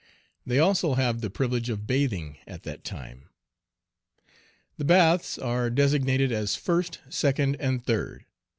They also have the privilege of bathing at that time. The baths are designated as "first," "second," and "third."